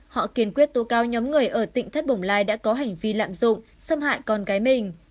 họ kiên quyết tố cáo nhóm người ở tỉnh thất bồng lai đã có hành vi lạm dụng xâm hại con gái mình